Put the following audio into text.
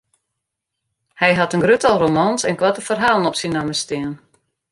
Hy hat in grut tal romans en koarte ferhalen op syn namme stean.